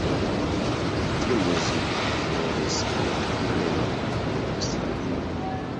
Tiu muziko furoris en turneo en Aŭstralio.